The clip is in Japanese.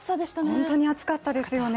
本当に暑かったですよね。